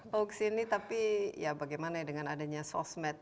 pauk sini tapi ya bagaimana ya dengan adanya sosmed